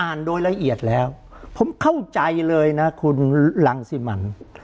โดยละเอียดแล้วผมเข้าใจเลยนะคุณรังสิมัน